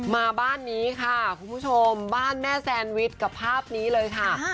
มาบ้านนี้ค่ะคุณผู้ชมบ้านแม่แซนวิชกับภาพนี้เลยค่ะ